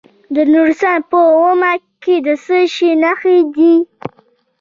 د نورستان په واما کې د څه شي نښې دي؟